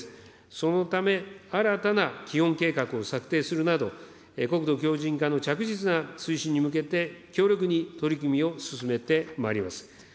そのため、新たな基本計画を策定するなど、国土強じん化の着実な推進に向けて、強力に取り組みを進めてまいります。